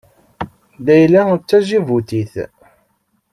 Layla d Taǧibutit.